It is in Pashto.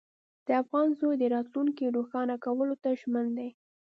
د افغان زوی د راتلونکي روښانه کولو ته ژمن دی.